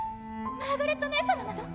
マーガレット姉様なの？